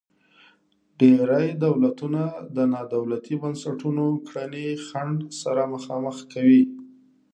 ډیری دولتونه د نا دولتي بنسټونو کړنې خنډ سره مخامخ کوي.